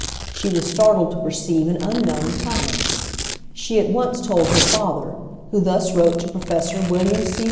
she was startled to perceive an unknown comet. She at once told her father, who thus wrote to Professor William C.